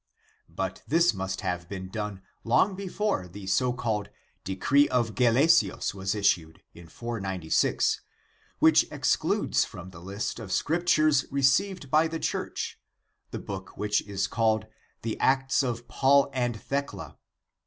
But this must have been done long before the so called decree of Gelasius (496) was issued, which ex cludes from the list of " scriptures received by the Church " the book which is called "the Acts of Paul and Thecla."